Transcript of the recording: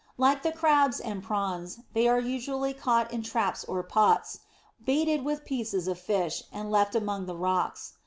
Like the Crabs and Prawns, they are usually caught in traps or pots, baited with pieces of fish, and left among the rocks.